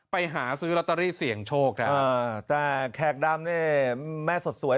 ไปหาซื้อลอตเตอรี่เสี่ยงโชคครับแต่แขกดำเนี่ยแม่สดสวย